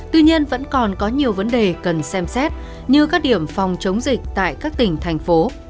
tuy nhiên vẫn còn có nhiều vấn đề cần xem xét như các điểm phòng chống dịch tại các tỉnh thành phố